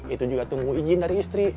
itu juga tunggu izin dari istri